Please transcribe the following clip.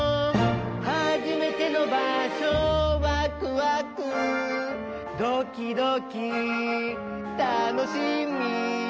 「はじめてのばしょ」「ワクワクドキドキたのしみ」